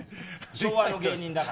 昭和の芸人だから。